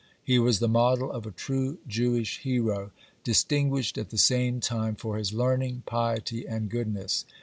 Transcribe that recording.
He was the model of a true Jewish hero, distinguished at the same time for his learning, piety, and goodness.